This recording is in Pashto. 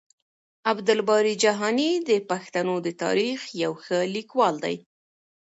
عبدالباري جهاني د پښتنو د تاريخ يو ښه ليکوال دی.